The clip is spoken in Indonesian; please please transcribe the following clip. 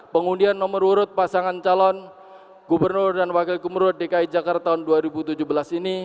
pengundian nomor urut pasangan calon gubernur dan wakil gubernur dki jakarta tahun dua ribu tujuh belas ini